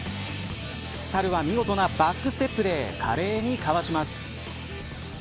サルは見事なバックステップで華麗にかわします。